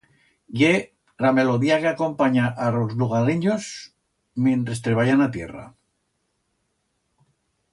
Ye ra melodía que acompanya a ros lugarenyos mientres treballan a tierra.